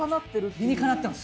理にかなってます